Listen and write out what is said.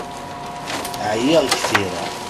Ɛyiɣ g tira.